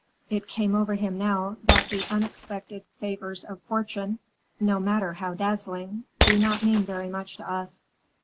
It came over him now that the unexpected favors of fortune, no matter how dazzling, do not mean very much to us.